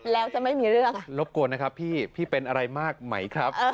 แล้วจะไม่มีเรื่องอ่ะรบกวนนะครับพี่พี่เป็นอะไรมากไหมครับ